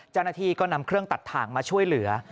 เจ้าหน้าที่ก็นำเครื่องตัดถ่างมาช่วยเหลือ